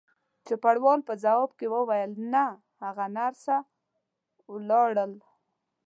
چوپړوال په ځواب کې وویل: نه، هغه نرسه ولاړل.